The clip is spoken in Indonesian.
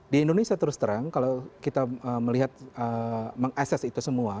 di indonesia terus terang kalau kita melihat mengakses itu semua